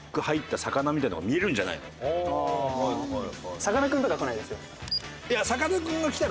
さかなクンとか来ないですよね？